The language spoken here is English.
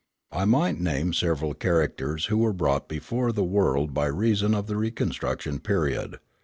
I might name several characters who were brought before the world by reason of the reconstruction period.